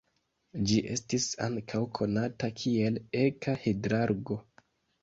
Ĝi estis ankaŭ konata kiel eka-hidrargo.